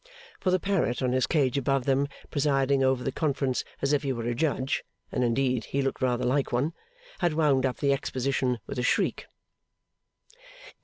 For the parrot on his cage above them, presiding over the conference as if he were a judge (and indeed he looked rather like one), had wound up the exposition with a shriek.